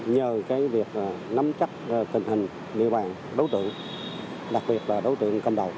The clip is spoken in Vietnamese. nhờ việc nắm chắc tình hình địa bàn đối tượng đặc biệt là đối tượng cầm đầu